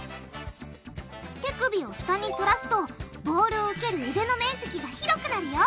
手首を下にそらすとボールを受ける腕の面積が広くなるよ。